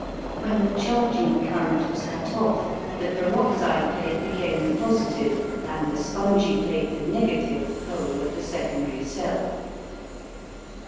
When the charging current was cut off the peroxide plate became the positive and the spongy plate the negative pole of the secondary cell.